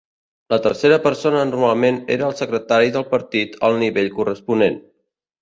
La tercera persona normalment era el secretari del Partit al nivell corresponent.